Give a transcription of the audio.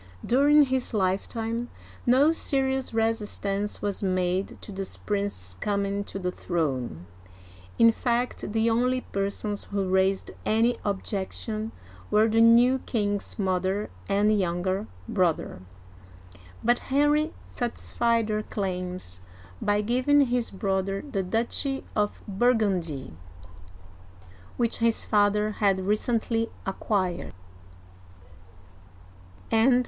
during his lifetime, no seri ous resistance was made to this prince's coming to the throne. In fact, the only persons who raised any objec tion were the new king's mother and younger brother; but Henry satisfied their claims by giving his brother the duchy of Burgundy, which his father had recently acquired.